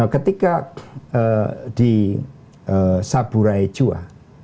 ketika di saburai jua